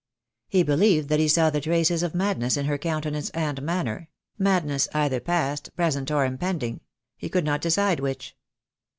"He believed that he saw the traces of madness in 134 THE DAY WILL C0ME her countenance and manner; madness either past, pre sent, or impending. He could not decide which."